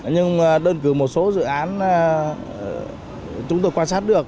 nhưng đơn cử một số dự án chúng tôi quan sát được